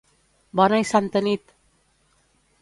Bona i santa nit!